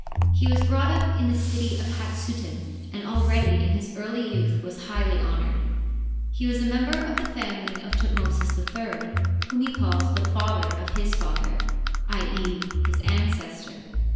He was brought up in the city of Hat suten, and already in his early youth was highly honored. He was a member of the family of Thutmosis HI, whom he calls the father of his father— i. e., his ancestor.